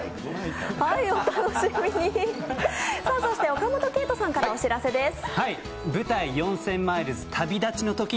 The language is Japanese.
岡本圭人さんからお知らせです。